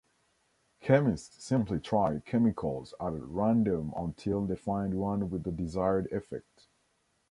Chemists simply try chemicals at random until they find one with the desired effect.